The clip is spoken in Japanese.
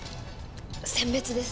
餞別です。